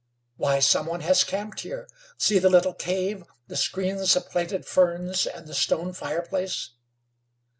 Why! Some one has camped here. See the little cave, the screens of plaited ferns, and the stone fireplace."